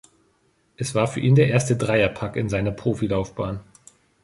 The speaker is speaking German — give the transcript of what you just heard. Es war für ihn der erste „Dreierpack“ in seiner Profilaufbahn.